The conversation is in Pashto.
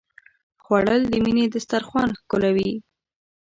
خوړل د مینې دسترخوان ښکلوي